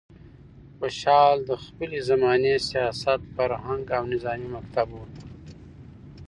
خوشحال د خپلې زمانې سیاست، فرهنګ او نظامي مکتب و.